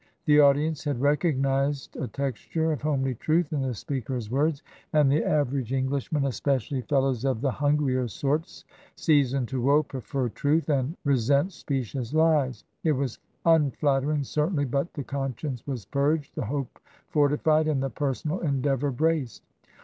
The audience had recognised a texture of homely truth in the speaker's words, and the average Englishman— especially fellows i84 TRANSITION. of the hungrier sort seasoned to woe — ^prefer truth, and resent specious lies. It was unflattering, certainly, but the conscience was purged, the hope fortified, and the personal endeavour braced.